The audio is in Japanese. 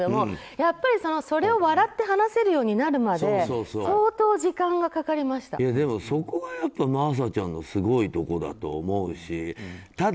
やっぱりそれを笑って話せるようになるまででもそこはやっぱり真麻ちゃんのすごいところだと思うしただ、